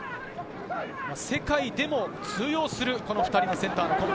世界でも通用する２人のセンター。